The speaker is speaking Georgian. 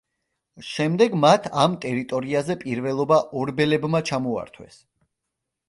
შემდეგ მათ, ამ ტერიტორიაზე პირველობა ორბელებმა ჩამოართვეს.